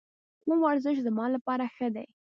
کوم ورزش زما لپاره ښه دی؟